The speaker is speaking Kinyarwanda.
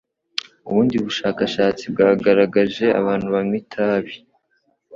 Ubundi bushakashatsi bwagaragaje abantu banywa itabi,